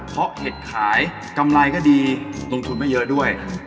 เพราะเห็ดขายกำไรก็ดีลงทุนไม่เยอะด้วย